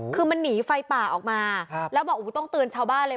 คือมันหนีไฟป่าออกมาแล้วบอกโอ้โหต้องเตือนชาวบ้านเลย